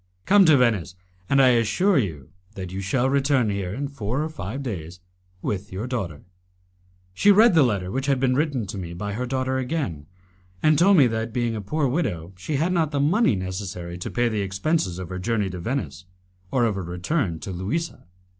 Come to Venice, and I assure you that you shall return here in four or five days with your daughter." She read the letter which had been written to me by her daughter again, and told me that, being a poor widow, she had not the money necessary to pay the expenses of her journey to Venice, or of her return to Louisa.